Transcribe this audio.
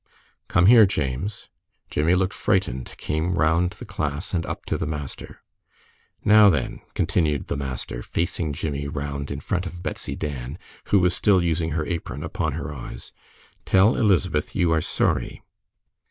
"Come here, James!" Jimmie looked frightened, came round the class, and up to the master. "Now, then," continued the master, facing Jimmie round in front of Betsy Dan, who was still using her apron upon her eyes, "tell Elizabeth you are sorry."